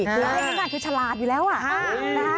คือมันแปลกคือฉลาดอยู่แล้วอ่ะโอ้โห